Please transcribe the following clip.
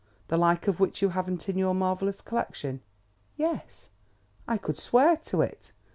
the like of which you haven't in your marvelous collection?" "Yes, I could swear to it."